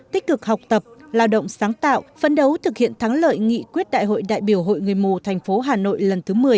tích cực học tập lao động sáng tạo phấn đấu thực hiện thắng lợi nghị quyết đại hội đại biểu hội người mù thành phố hà nội lần thứ một mươi